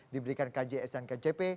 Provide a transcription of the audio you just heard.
diberikan kjs dan kjp